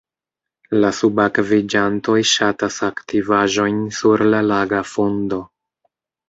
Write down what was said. La subakviĝantoj ŝatas aktivaĵojn sur la laga fundo.